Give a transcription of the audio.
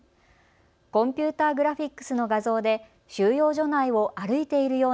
コンピューターグラフィックスの画像で収容所内を歩いているよう